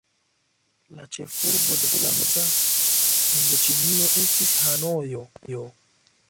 La ĉefurbo de Franca Hindoĉinio estis Hanojo.